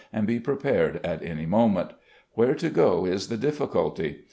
and be prepared at any moment. Where to go is the difficulty.